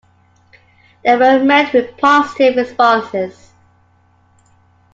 They were met with positive responses.